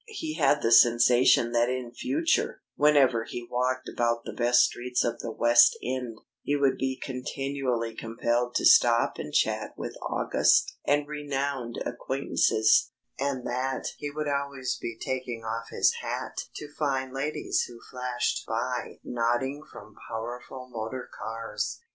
He had the sensation that in future, whenever he walked about the best streets of the West End, he would be continually compelled to stop and chat with august and renowned acquaintances, and that he would always be taking off his hat to fine ladies who flashed by nodding from powerful motor cars.